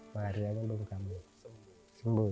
hari ini belum kambu sembuh